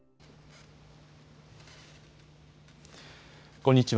こんにちは。